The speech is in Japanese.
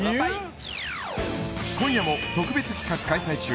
今夜も特別企画開催中